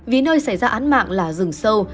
vì nơi xảy ra án mạng là rừng sâu